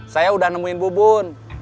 saya udah nemuin bu bun